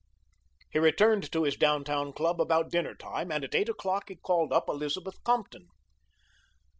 He returned to his down town club about dinner time, and at eight o'clock he called up Elizabeth Compton.